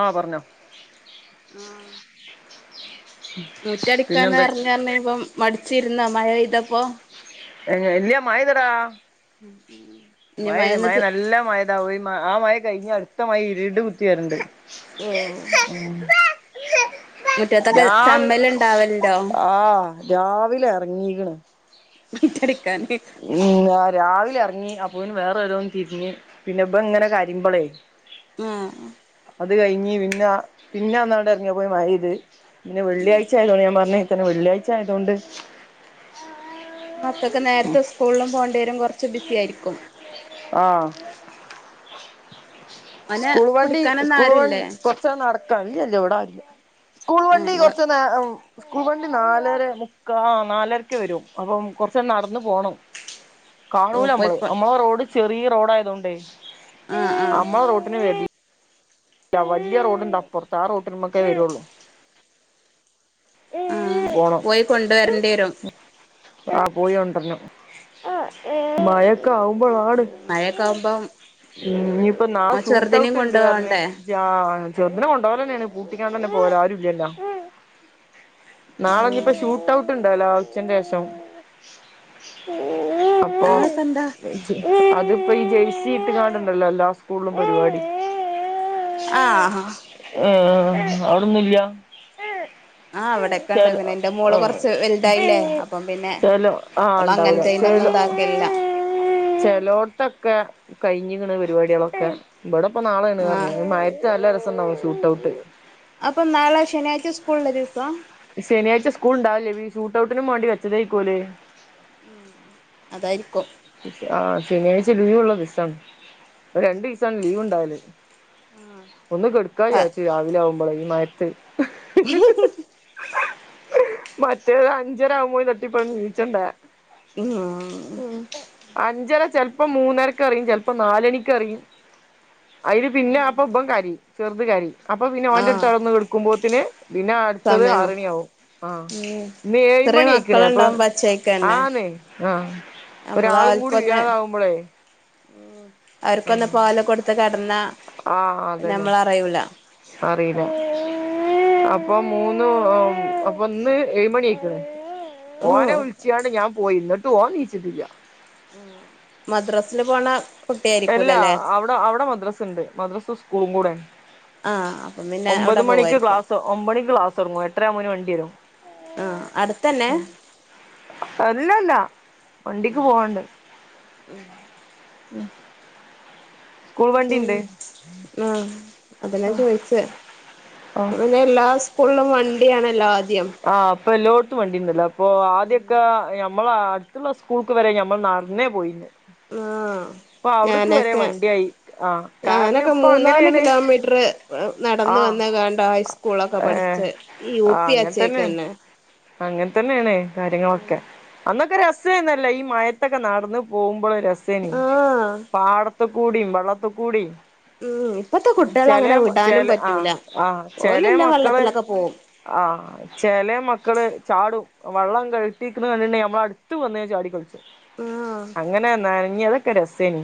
ആഹ് പറഞ്ഞോ ആഹ് മുറ്റടിക്കൻ പിന്നെന്ത [unintelligible] മടിച്ചിരുന്ന മയപെയ്തപ്പോ ഇല്ല മയെയ്തെടാ ഇനി മഴെയ്ത് മഴ മഴന്ന് നല്ല മഴ എന്താവോ ആ മയ കഴിഞ്ഞ് അടുത്ത മയ ഇരിട് കുത്തി വര്ണ്ട് ഓ മുറ്റത്തൊക്കെ രാവി ചമ്മല് ഉണ്ടാവലുണ്ടോ ആഹ് രാവിലെ എറങ്ങീക്ണ് മുറ്റടിക്കാന് ഉം രാവിലെ ഇറങ്ങി അപ്പോനി വേറെ ഓ രോന്ന് തിരിഞ്ഞ് പിന്നെ ഇബ ഇങ്ങനെ കരിമ്പളേ ഉം അത് കഴിഞ്ഞ് പിന്നെ പിന്നെന്നോട്ടെ റങ്ങിയാപ്പതിന് മയയ്ത് പിന്നെ വെള്ളിയാഴ്ചയതോണ്ട് ഞാൻ പറഞ് ഇച്ച്ന്ന് വെള്ളിയാഴ്ച ആയതോണ്ട് മക്കൾക് നേരത്തെ സ്കൂളിലും പോണ്ടിവരും കുറച്ച് ബിസി ആയിരിക്കും ആഹ് ഓനെ സ്കൂൾ വണ്ടി പിടിക്കാനൊന്നും സ്കൂൾ വണ്ടി ആരുല്ലേ കൊറച്ചണ് നടക്കാണ്ട് ഇല്ല ഇല്ല ഇവിടെ അ സ്കൂൾ ആഹ് വണ്ടി ഇങ്ങള് കൊറച്ച് നാ ഉം സ്കൂൾ വണ്ടി നാലര മുക്കാ ആ നാലരക്ക് വെരും അപ്പം കൊറച്ചണ് നടന്ന് പോണം. കാണൂല ഓഹ് അമ്മള് പോയിക്കോ അമ്മളെ റോഡ് ചെറിയെ റോഡ് ആയതോണ്ടെ ആഹ് ആഹ് അമ്മളെ റോട്ടിന് വര ല്ല വല്ല്യയ റോഡിണ്ട് അപ്പർത്ത് ആ റോട്ടി മക്കെ വരൊള്ളൂ. ആഹ് പോണം പോയി കൊണ്ടുവരേണ്ടി വരും ഉ. ആഹ് പോയി കൊണ്ടരണം മയ ക്കാവുമ്പളാണ് മഴയൊക്കെ ആകുമ്പം ഇഞ്ഞിപ്പൊ നാളെ ആഹ് ഷൂട്ട ചെറുതിനേം ഔട്ട് ഇണ്ട് കൊണ്ടു പറഞ്ഞ്. പോവണ്ടേ ആ ചെറ്തിനെ കൊണ്ടോവലെ ന്നെയാണ് കൂട്ടിക്കാണ്ടെന്നെ പോവല് ആരു ഇല്ല്യല്ലോ? നാളെ ഇഞ്പ്പ ഷൂട്ട് ഔട്ട് ഇണ്ടൊല്ലോ ഉച്ചന്റെ ശേഷം? പോണം. അതൊക്കെന്താ അതിപ്പോ ഈ ജേഴ്സി ഇട്ടുകാണ്ട്ണ്ടല്ലോ എല്ലാ സ്കൂളിലും പരിപാടി. ആഹ് ഏഹ് അവിടൊന്നുല്ല? ആഹ് ഇവടെ ക്കണ്ട് പിന്നെ ഇന്റെ മോള് ആഹ് കൊറച്ച് വലുതായില്ലേ അപ്പം പിന്നെ ചെലോ ഓള് അങ്ങൻത്തേയ്നൊന്നും ഇതാക്കലില്ല. ചെലോട്ത്തൊക്കെ കഴിഞ്ഞ് ക്ണ് പരിപാടിയാളൊക്കെ ഇവടെ പ്പൊ നാളേണ് ആഹ് പറഞ്ഞ് ഈ മയെത് നല്ല രെസണ്ടാവും ഷൂട്ട്ഔട്ട്. അപ്പ നാളെ ശനിയാഴ്ച സ്കൂളിള്ളെ ദിവസ? ശനിയാഴ്ച്ച സ്കൂൾ ഇണ്ടാവലില്ല ഈ ഷൂട്ട് ഔട്ടിന് മാണ്ടി വെച്ചതേയിക്കോല്. ഉം അതായിരിക്കും. ആഹ് ശെനിയാഴ്ച്ച ലീവ്ള്ള ദിവസാണ് അത് രണ്ടീസാണ് ലീവ് ഇണ്ടാവല്. ഒന്ന് കെടുക്കാ വിചാരിച്ചു ഈ രാവിലെ ആവുമ്പളെ ഈ മയത്ത്. ഹി ഹി മറ്റേത് അഞ്ചര ആകുമ്പോത്തിന് തട്ടിപ്പെടഞ്ഞ് നീച്ചണ്ടേ? ഉം അഞ്ചര ചെലപ്പോ മൂന്നരക്ക അറിയും ചെലപ്പോ നാലണിക്ക് അറിയും. അയില് പിന്നെ അപ്പ ഇബൻ കരീം ചെറുത് കരീം. അപ്പൊ പിന്നെ ഓന്റെ ആഹ് അടുത്ത് അവടന്ന് കെടുക്കുമ്പോത്തിന് പിന്നെ ആ ത് സമയം ആറ് മണിയാവും ആഹ് ഉം ഇന്ന് ഏഴ് ചെറിയ മണ്യായിക്കണ് അപ്പൊ മക്കളുണ്ടാവുമ്പോ പച്ചേക്കന്നെ ആന്ന് ആഹ് നമ്മള് ഒരാളും കൂടി ആർക്കൊന്ന് ഇല്ലാതാവുമ്പളെ അവർക്കൊന്ന് പാല് കൊടുത്ത് കെടന്നാ ഞമ്മള അറിയൂല അറീല അപ്പൊ മൂന്ന് അപ്പൊ ഇന്ന് ഏഴുമണിയായിക്കണ് ഓഹ് ഓനെ വിളിച്ചികാണ്ട് ഞാൻ പോയി ഇന്നട്ടും ഓൻ നീച്ചിട്ടില്ല. മദ്രസില് പോണ എല്ലാ കുട്ടിയായിരിക്കൂലല്ലേ അവടെ അവടെ മദ്രസ്ണ്ട് മദ്രസ് സ്കൂളും കൂടെ ആഹ് അപ്പം പിന്നെ അവിടെ ഒമ്പത് മണിക്ക് പോവായിരിക്കും ക്ലാസ് ഒമ്പണിക്ക് ക്ലാസ് തൊടങ്ങും എട്ടരാവുമ്പോത്തിന് വണ്ടി വെരും ആഹ് അടുത്തന്നെ അല്ലല്ല വണ്ടിക്ക് പോവാണ്ട് സ്കൂൾ പിന്നെ വണ്ടിണ്ട് ആഹ് അതെന്നെ ഞാൻ ചോയിച്ചെ ആഹ് [unintelligible] എല്ലാ സ്കൂളിലും വണ്ടിയാണല്ലോ ആദ്യം ആഹ് ഇപ്പൊ എല്ലോട്ത്തും വണ്ടിണ്ടല്ലോ അപ്പൊ ആദ്യൊക്കെ ഞമ്മളെ അടുത്തുള്ള സ്കൂൾ ക്ക് വരെ ഞമ്മള് നടന്നേ പോയിന്നത്. ആഹ് ഞാനൊക്കെ വണ്ടിയായി ആഹ് കാരണം ഞാനൊക്കെ ഇപ്പൊ മൂന്നാല് അങ്ങനെയാണ് കിലോമീറ്റർ നടന്ന് ആഹ് വന്ന് കാണ്ട ഹൈസ്കൂളൊക്കെ ഏഹ് പഠിച്ചത് ഈ യു പി അച്ചേക്കന്നെ അങ്ങൻതന്നേണ് കാര്യങ്ങളൊക്കെ അന്നൊക്കെ രസേന്നല്ല ഈ മയത്തൊക്കെ നടന്ന് പോകുമ്പോൾ രസേനി ആഹ് പാട ത്ത്കൂടിയും വെള്ളത്തി കൂടിം ഉം ഇപ്പത്തെ കുട്ടികളെ ചെലെ അങ്ങനെ വിടാനും ചെലെ പറ്റൂല ആഹ് ആഹ് ചെലേ ഓലെല്ല മക്കള് വെള്ളത്തിലൊക്കെ പോവും ആഹ് ചെലേ മക്ക ക്കള് ചാടും വെള്ളം കെട്ടിരിക്കുന്ന കണ്ടിണ്ടെ നമ്മളെ അടുത്ത് വന്ന് ചാടി കളിച്ചും ആഹ് അങ്ങനെ നനഞ്ഞ് അതൊക്കെ ഒര് രസേനി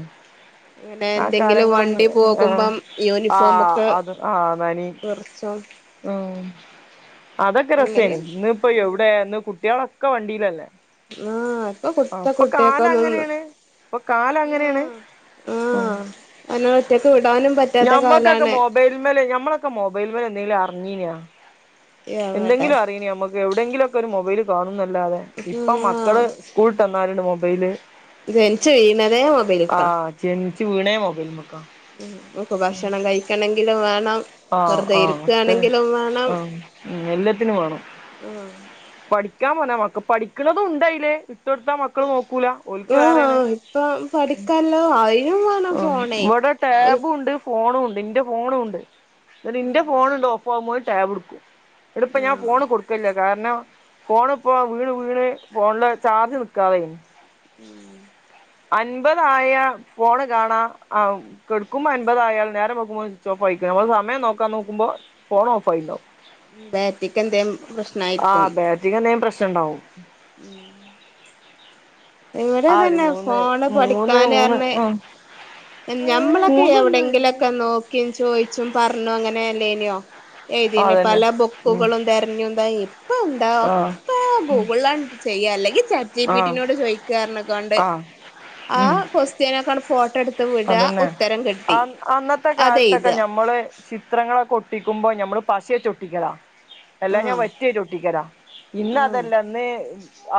അങ്ങനെ ആ എന്തെങ്കിലും കാലങ്ങളൊന്ന് വണ്ടി ആഹ് പോക്മ്പം ആഹ് യൂണിഫോമൊക്കെ അത് ആഹ് നനയും വ [inaudible] ഉം അതൊക്കെ രസേന്ന് അങ്ങനെ ഇന്ന് ഇപ്പം എവിടെ ഇന്ന് കുട്ട്യാളൊക്കെ വണ്ടിലല്ലേ ആഹ് ഇപ്പൊ ആ കുത്ത ഇപ്പൊ കാലം കുട്ടിയക്കൊന്നും അങ്ങനേണ് അപ്പൊ കാലം അങ്ങനേണ് ആഹ് ആഹ് അനെ ഒറ്റക്ക് വിടാനും പറ്റാത്ത ഞമ്മക്കൊക്കെ കാലാണ് മൊ മൊബൈൽമല് ഞമ്മളൊക്കെ മൊബൈൽമെലെന്തെങ്കിലും അറിഞ്ഞീനാ എവടെ എന്തെങ്കിലും നമുക്ക് എവിടെങ്കിലും ഒക്കെ ഒരു മൊബൈല് കാണുംന്നല്ലാതെ ഇപ്പൊ ആഹ് മക്കള് സ്കൂളിട്ട് വന്നാല്ണ്ട് മൊബൈല് ജനിച്ച് വീഴ്ണതേ മൊബൈലിക്കാ ജനിച്ച് വീണേ മൊബൈൽമക്ക നക്ക് ഭക്ഷണം കഴിക്കണെങ്കിലും വേണം ആഹ് വെറുതെ ആഹ് ഒക്കെ ഇരുക്കാണെങ്കിലും വേണം ആഹ് ഉം എല്ലത്തിനും വേണം ആഹ് പഠിക്കാൻ പറഞ്ഞാ മ പഠിക്ക്ണതും ഇണ്ടയില് ഇട്ടൊടുത്താ മക്കൾ നോക്കൂല ഓൽക്ക് വേറേണ് ആഹ് ഇപ്പം പഠിക്കാല്ലോ അയിനും വേണം ഫോണേ ഇവിടെ ഒരു ടാബും ഇണ്ട് ഫോണും ഇണ്ട് ഇന്റെ ഫോണുംണ്ട് എന്നിട്ട് ഇന്റെ ഫോണിണ്ട് ഓഫ് ആവുമ്പോ ടാബ് എടുക്കും ഇങ്ങട്ട് ഇപ്പം ഞാൻ ആഹ് ഫോൺ കൊടുക്കു ക്കല്ല്യ കാരണം ഫോണ് ഇപ്പോ വീണ് വീണ് ഫോണില് ചാർജ് നി ക്കാതായി അൻപതായ ഫോണ് കാണാ ആഹ് കടുുമ്പോ അമ്പപതായയാൽ നേരെ കെട്ക്ക്മ്പോ അൻപത് ആയാൽ നേരം വെളുക്കുംമ്പോത്തിനു സ്വിച്ച് ഓഫ് ആയി നമ്മള് സമയം നോക്കാ നോക്കുമ്പോ ഫോൺ ഓഫ് ആയിണ്ടാവും ബാറ്ററിക്ക് എന്തേം പ്രശ്നായിരിക്കും എന്തേം പ്രശ്നം ഇണ്ടാവും ഉം ഇവിടെ ആ ഒരു തന്നെ മൂന്ന് ഫോണ് മൂന്ന് പഠിക്കാൻ മൂന്ന് പറഞ്ഞ് ആ ഞമ്മളൊക്കെ മൂന്ന് എവിടെങ്കിലും കൊല്ലായി ഒക്കെ നോക്കിയും ചോയിച്ചും പറഞ്ഞും അങ്ങനെ അല്ലേനോ ഏയിതീന്ന് അതന്നെ പല ഉം ബുക്കുകളും തെരഞ്ഞും എന്താ ഇപ്പൊ എന്താ ആ ഒക്ക ഗൂഗിള്ലണ്ട് ചെയ്യാ അല്ലെങ്കിൽ ആ ചാറ്റ്ജിപിട്ടിനോട് ചോദിക്കർഞ്ഞ്ക്കാണ്ട് ആ ഉം ആഹ് കൊസ്റ്റ്യനൊക്കണ്ട് ഫോട്ടോ എടു അതന്നെ അ അന്നത്തെ കാലത്തൊക്കെ അതെയ്താ ഞമ്മള് ശി ചിത്രങ്ങളൊക്കെ ഒട്ടിക്കുമ്പോ ഞമ്മള് പശേറ്റ് ഒട്ടിക്കലാ എല്ലാം ഞാൻ ആഹ് വറ്റിയേറ്റ് ഒട്ടിക്കലാ ഇന്ന് ആഹ് അതെല്ലാ ഇന്ന്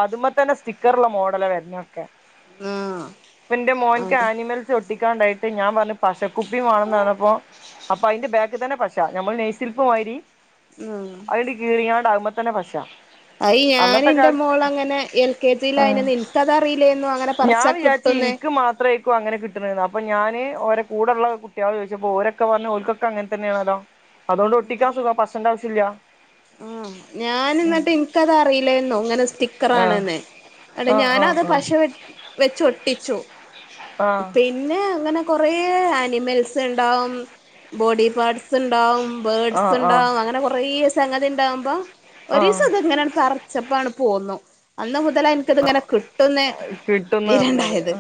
അതുമത്തന്നെ സ്റ്റിക്കറുള്ള മോഡലാ വരുന്ന ഒക്കെ ആഹ് ഇപ്പ ഇന്റെ മോൻക്ക് അതെ ആനിമൽ സ് ഒട്ടിക്കാണ്ടായിട്ട് ഞാൻ പറഞ്ഞു പശക്കുപ്പിയും വാണംന്നറിഞ്ഞപ്പോ അപ്പൊ അയിന്റെ ബാക്ക് തന്നെ പശ നമ്മളെ നെയ്സിൽപ്മായിരി ഉം അത്‌ണ്ട് കീറിങ്ങാണ്ട് അത് മ്മെതന്നെ പശ അയി ഞാൻ അന്നത്തെ ഇന്റെ കാലത്ത് മോള് അങ്ങനെ എൽ കെ ജിയില് ആഹ് ആയിനന്ന് ഇൻക്കത് അറിയില്ലേന്നു അങ്ങനെ പർച്ച കിട്ടുംന്ന് മാത്രയേ ക്കും അങ്ങനെ കിട്ട്ന്നത് അപ്പം ഞാന് ഓരെ കൂടെയുള്ള കുട്ടികളോട് ചോദിച്ചപ്പോ ഓര ഒക്കെ പറഞ്ഞ് ഓര്ക്കൊക്കെ അങ്ങനെ തന്നെയാണല്ലോ അതുകൊണ്ട് ഒട്ടിക്കാൻ സുഖം പശന്റെ ആവശ്യല്ല. ആഹ് ഞാന് എന്നിട്ട് എനിക്കത് അറിയില്ലായിരുന്നു അങ്ങനെ ആഹ് സ്റ്റിക്കറാണെന്ന് ഇങ്ങട് ആഹ് ഞാനത് ആഹ് പശ വെ വെച്ച് ഒട്ടിച്ചു ആഹ് പിന്നെ അങ്ങനെ കൊറേ ആനിമൽസ് ഇണ്ടാവും ബോഡി പാട്സ് ഇണ്ടാവും ബേഡ്സ് ആഹ് ആഹ് ഇണ്ടാവും അങ്ങനെ കൊറേ സംഗതി ഉണ്ടാകുമ്പോ ആഹ് ഒരി ആഹ് സുഖം ഇങ്ങനെ പറ ച്ചപ്പാണ് പോന്നു അന്ന് മുതലായി ഇൻക്ക് ഇതങ്ങനെ കിട്ടുന്ന് കിട്ടുംന്ന് വിവരം പറഞ്ഞത് ഇണ്ടായത്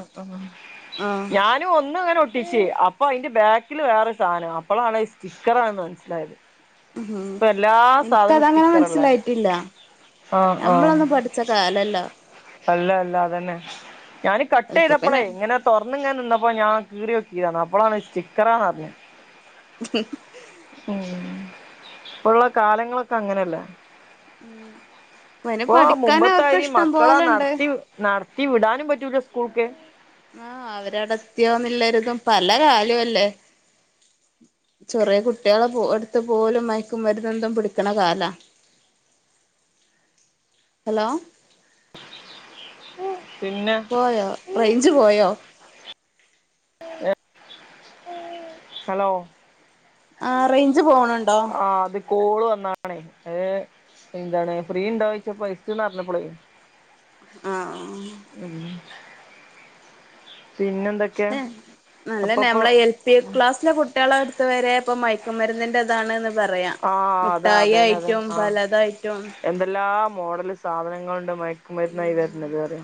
ആഹ് ല് ഒന്ന് ഇങ്ങനെ ഒട്ടിച്ച് അപ്പൊ അതിന്റെ ബാക്കില് വേറെ സാനം അപ്പോളാണ് സ്റ്റിക്കറാണന്ന് മനസ്സിലായത്. ഉം ഇപ്പം എല്ലാ സാധനവും എനിക്കതങ്ങനെ സ്റ്റിക്കറല്ലേ മനസ്സിലായിട്ടില്ല ആഹ് ആഹ് നമ്മളൊന്നും പഠിച്ച കാലല്ല അല്ല അല്ല അതന്നെ ഞാന് കട്ട് അതൊക്കെ എയ്തപ്പളേ പിന്നെ ഇങ്ങനെ തുറന്ന് ഇങ്ങനെ നിന്നപ്പോ ഞാൻ കീറി നോക്കിയതാണ് അപ്പോളാണ് സ്റ്റിക്കറാന്ന് അറിഞ്ഞേ [unintelligible] ഉം ഇപ്പള്ള കാലങ്ങളൊക്കെ അങ്ങനെയല്ലേ ഇവന് ഇപ്പൊ പഠിക്കാൻ അവർക്ക് മുമ്പെത്തായിരി ഇഷ്ടം മക്കളാ പോലെണ്ട് നടത്തി നടത്തി വിടാനും പറ്റൂല സ്കൂൾക്ക് ആഹ് അവര അവിടെത്തിയോന്ന്ള്ള ഒരുതും പല കാലവും അല്ലേ ചെറിയ കുട്ടികളെ പോ എടുത്ത് പോവലും മയക്ക്മരുന്ന് ഇതും പിടിക്ക്ണ കാല ഹലോ പിന്നെ പോയോ റേഞ്ച് പോയോ ഹലോ ആ റേഞ്ച് പോണ് ഉണ്ടോ ആ അത് കോള് വന്നതാണേ അത് എന്താണ് ഫ്രീ ഇണ്ടോയിച്ചപ്പോ എട്ത്ത് എന്ന് പറഞ്ഞപ്പോളേ ആഹ് ആ ആ ഉം പിന്നെന്തൊക്കെ ഏ നല്ലന്നെ അപ്പപ്പൊ നമ്മളെ എൽ പി ക്ലാസ്സിലെ കു കുട്ടികളെ എട്ത്ത് വരെ ഇപ്പം മയക്കുമരുന്നിൻ്റെ ഇതാണ് പറയാ ആ മുട്ടായി ആയിട്ടും പലതായിട്ടും എന്തെല്ലാം മോഡല് സാധനങ്ങളുണ്ട് മയക്കുമരുന്നായി വരുന്നത് അറിയോ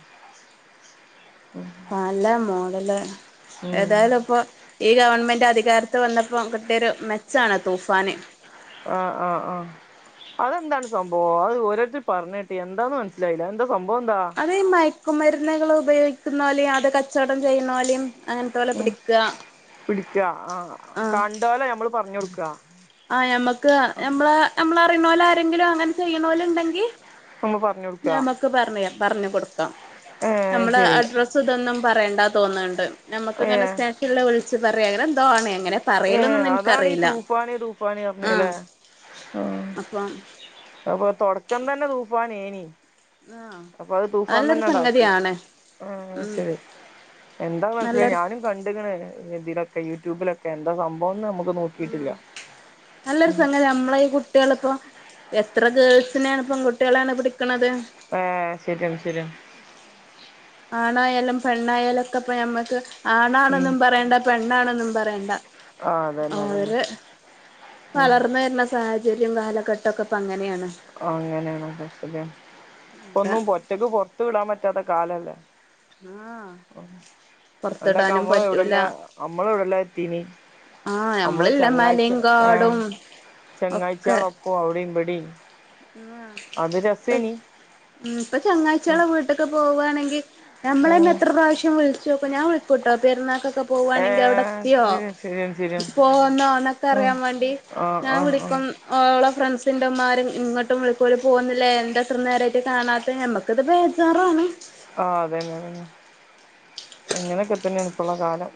[inaudible] പല മോഡല് ഉം ഏതായാലും ഇപ്പൊ ഈ ഗവൺമെൻറ് അധികാരത്തിൽ വന്നപ്പോൾ കിട്ടിയൊരു മെച്ചാണ് തൂഫാന് ആഹ് ആഹ് ആഹ് അതെന്താണ് സംഭവം അത് ഓരോരുത്തര് പറഞ്ഞ് കേട്ട് എന്താന്ന് മനസ്സിലായില്ല എന്താ സംഭവം എന്താ അത് മയക്കുമരുന്നുകള് ഉപയോഗിക്കുന്നോലെയും അത് കച്ചവടം ചെയ്യുന്നവരെയും ഉം പിടിക്കാ ആ ആഹ് കണ്ടോലെ ഞമ്മള് പറഞ്ഞു കൊടുക്കാ ആഹ് ഞമ്മക്ക് ഞമ്മള് നമ്മളറിയണോലാരെങ്കിലും അങ്ങനെ ചെയ്യണോലുണ്ടെങ്കി നമ്മൾ പറഞ്ഞ് കൊടുക്കണം പറഞ്ഞ് കൊടുക്കാം നമ്മള് അഡ്രസ് ഇതൊന്നും പറയേണ്ട തോന്നുന്നുണ്ട് നമക്ക് ഇങ്ങനെ ഏഹ് സ്നേ ക്കിള്ള വിളിച്ച് പറയാ അങ്ങനെ എന്തോ ആണ് അങ്ങനെ ഏഹ് അതാണീ തൂഫാന് തൂഫാന് പറഞ്ഞത് ല്ലേ ആഹ് വാ അപ്പൊ തൊടക്കം തന്നെ തൂഫാനേനി ആഹ് അപ്പൊ അത് തൂഫാൻ നല്ലൊരു തന്നെ അങ്ങടാക്കി സംഗതിയാണ് ആഹ് ഉം ശെരി എന്താ മനസ്സിലായി നല്ലൊരു ഞാനും കണ്ടിക്കണ് ഇതിലൊക്കെ യൂട്യൂബിലൊ എന്താ സംഭവംന്ന് നമുക്ക് നോക്കിയിട്ടില്ല ഉം നമ്മളേ കു ട്ടികളിപ്പോ എത്ര ഗേൾസിനെയാണ് പെൺകുട്ടികളെയാണ് പിടിക്കണത് ഏഹ് ശെരിയാണ് ശെരിയാണ് ആണായാലും പെണ്ണായാലും ഒക്കെ ഇപ്പം ഞമ്മക്ക് ഉം ആണാണെന്നും പറയണ്ട പെണ്ണാണെന്നും പറയണ്ട ആഹ് അതന്നെ അതന്നെ ഓര് ഉം വളർന്ന് വരുന്ന സാഹചര്യം കാലഘട്ടം ഒക്കെ ഇപ്പം അങ്ങനെയാണ് അങ്ങനെയാണ് അതെ ശെരിയാ ഇപ്പൊ ഒക്കെ ഒന്നും ഒറ്റക്ക് പൊറത്ത് വിടാൻ പറ്റാത്ത കാലല്ലേ ആഹ് പണ്ടൊക്കെ പൊറത്തിടാനും നമ്മള് പറ്റൂല എവിടെല്ലാം നമ്മള് എവിടെല്ലാം എത്തീനി ആഹ് നമ്മള് ഞമ്മളില്ല ചങ്ങായ്ച്ച മലയും ആഹ് കാടും ഒക്കെ ചങ്ങായ്ച്ചികളൊപ്പൊ അവിടെയും ഇവിടെയും ആഹ് അത് ഇപ്പ രസേനി ഉം ഇപ്പൊ ഉം ചങ്ങായ്ച്ചകളെ വീട്ടി ക്കൊക്കെ പോവാണെങ്കി നമ്മള് തന്നെ ഉം എത്ര പ്രാവശ്യം വിളിച്ചോക്കും ഞാൻ വിളിക്കൂട്ടോ പെരുന്നാക്കൊക്കെ പോവാണെങ്കി അവിടെ ഏഹ് എത്തിയോ ഇത് ശരിയാണ് ശരിയാണ് പോവുന്നോ എന്നൊക്കെ ഉം അറിയാൻ വേണ്ടി ആഹ് ഞാൻ ആഹ് ആഹ് വിളിക്കും ഓളെ ഫ്രണ്ട്സിന്റെ ഉമ്മാരും ഇങ്ങട്ടും വിളിക്കും ഓര് പോന്നില്ലേ എന്താ ഇത്ര നേരായിട്ട് കാണാത്തെ നമ്മക്കിത് ബേജാറാണ് ആഹ് അതന്നെ ഇങ്ങനെയൊക്കെത്തന്നെയാണ് ഇപ്പുള്ള കാലം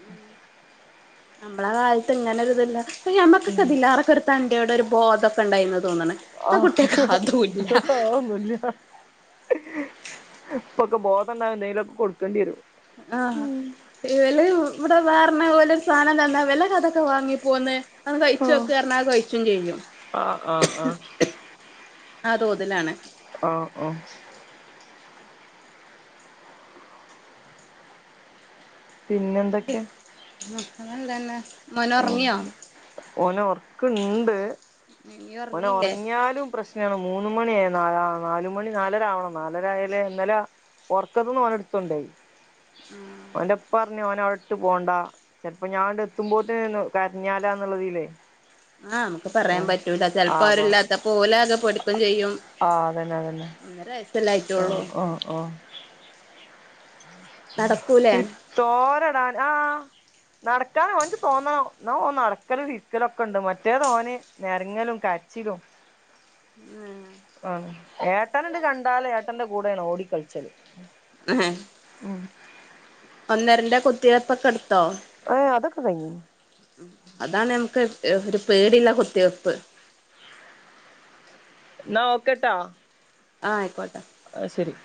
നമ്മളെ കാലത്ത് ഇങ്ങനെ ഒരു ഇതില്ല ഇയ്യോ അമ്മക്കൊക്കെ ഇതില്ലാറെക്കൊറെ തന്റേടോ ഒരു ബോധൊക്കെ ഉണ്ടായിന്നാ തോന്നണെ ആഹ് ആഹ് ഒന്നുല്ല്യാ ഇപ്പൊക്കെ ബോധം ഉണ്ടാവാൻ എന്തേലൊക്കെ കൊടുക്കേണ്ടി വരും ആഹ് ഉം ഇവല് ഇവിടെ വേറണ പോലൊരു സാധനം തന്നാ ഇവലകതൊക്കെ വാങ്ങി പോന്ന് അത് ആഹ് കഴിച്ചോക്ക് പറഞ്ഞാ കഴിച്ചും ചെയ്യും ആഹ് ആഹ് ആഹ് ആഹ് തോതിലാണ് ആഹ് -ആഹ് പിന്നെന്തൊക്കെയാ ഒക്കെ നല്ലന്നെ ഉം മോനൊറങ്ങിയോ ഓന് ഒറക്കുണ്ട് നീ ഓന് ഒറങ്ങിയില്ലേ ഒറങ്ങിയാലും പ്രശ് നാണ് മൂന്ന് മണിയായ ന ന നാലുമണി നാലര ആവണം നാലരായായാലേ ഇന്നലെ ഒറക്കത്തൂന്ന് ഓലെടുത്തോണ്ടോയി ആഹ് ഓന്റെ ഉപ്പ പറഞ്ഞ് ഓനെ അവിടിട്ട് പോണ്ട ചിലപ്പോ ഞാനങ്ങട്‌ എത്തുമ്പോ ത്തേനും കരഞ്ഞാലോന്നുള്ളയിതിലെ ആഹ് നമുക്ക് പറയാൻ പറ്റൂല ചെലപ്പോ ആഹ് അപ്പൊ അവരില്ലാത്തപ്പൊ ഓല് ആകെ പേടിക്കും ചെയ്യും തന്നെ തന്നെ ത്തിലായിട്ടോള്ളൂ നട ചോറിടാൻ ആഹ് നടക്കാൻ ഓനക്ക് തോന്നണം എന്നാ ഓ നടക്കല് ഇരിക്കലൊക്കെ ഒണ്ട് മറ്റേതോന് നെരങ്ങലും കരച്ചിലും [unintelligible] ആഹ് ഏട്ടനങ്ങട് കണ്ടാലെ ഏട്ടന്റെ കൂടെയാണ് ഓടിക്കളിച്ചല് [unintelligible] [unintelligible] ഒന്നരന്റെ കുത്തിവെപ്പോക്കെ എടുത്തോ ഏ അതൊക്കെ കഴിഞ്ഞു അതാണ് നമുക്ക് ഒരു പേടിള്ള കുത്തിവെപ്പ് എന്ന ഒക്കെട്ടാ ആഹ് ആയിക്കോട്ടെ ആഹ് ശരി